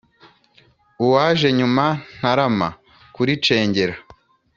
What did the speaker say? uwaje nyuma ntaramara kuricengera,